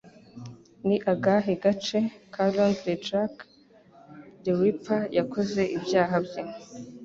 Ni Agahe gace ka Londres Jack The Ripper yakoze ibyaha bye?